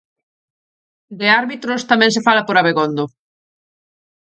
De árbitros tamén se fala por Abegondo.